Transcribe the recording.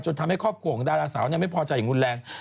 ทำให้ครอบครัวของดาราสาวไม่พอใจอย่างรุนแรง